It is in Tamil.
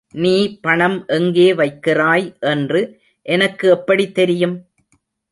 நீ பணம் எங்கே வைக்கிறாய் என்று எனக்கு எப்படி தெரியும்?